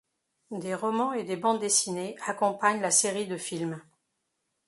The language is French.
Des romans et des bandes dessinées accompagnent la série de films.